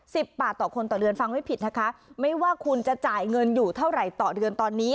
สิบบาทต่อคนต่อเดือนฟังไม่ผิดนะคะไม่ว่าคุณจะจ่ายเงินอยู่เท่าไหร่ต่อเดือนตอนนี้